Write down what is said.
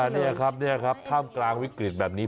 นี่ครับพร่ำกลางวิกฤตแบบนี้